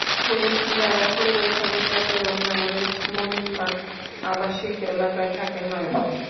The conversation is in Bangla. পুলিশ জানায়, পরিবারের সঙ্গে চট্টগ্রাম নগরের মোমিনবাগ আবাসিক এলাকায় থাকেন নয়ন।